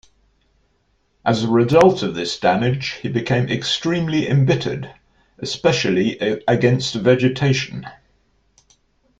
As a result of this damage, he became extremely embittered, especially against vegetation.